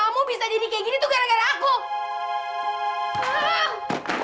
kamu bisa jadi kayak gini tuh gara gara aku